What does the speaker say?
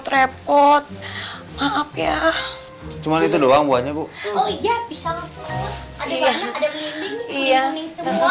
repot maaf ya cuma itu doang buahnya bu oh iya bisa ada ada kuning kuning semua